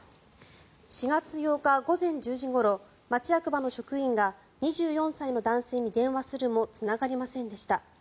４月８日午前１０時ごろ町役場の職員が２４歳の男性に電話するもつながりませんでした。